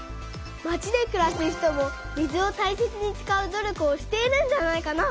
まちでくらす人も水をたいせつにつかう努力をしているんじゃないかな。